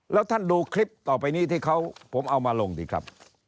แล้วท่านดูคลิปต่อไปนี้ที่เขาผมเอามาลงสิครับ